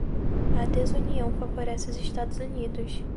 a desunião favorece os Estados Unidos